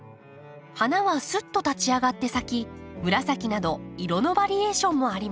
花はすっと立ち上がって咲き紫など色のバリエーションもあります。